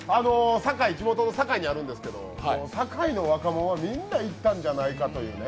地元の堺にあるんですけど、堺の若者はみんな行ったんじゃないかというね。